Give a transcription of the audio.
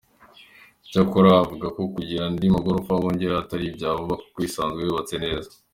Icyakora avuga ko kugira andi magorofa bongeraho atari ibya vuba, kuko isanzwe yubatse neza.